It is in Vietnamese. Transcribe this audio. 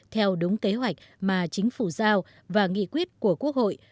theo đúng kế hoạch mà chính phủ giao và nghị quyết của quốc hội